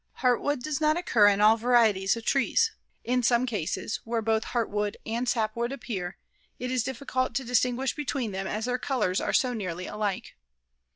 Heartwood does not occur in all varieties of trees. In some cases, where both heartwood and sapwood appear, it is difficult to distinguish between them as their colors are so nearly alike.